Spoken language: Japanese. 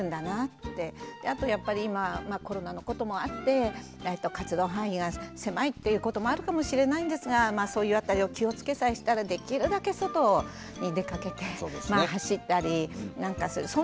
あとやっぱり今コロナのこともあって活動範囲が狭いっていうこともあるかもしれないんですがまあそういう辺りを気をつけさえしたらできるだけ外に出かけて走ったりなんかする。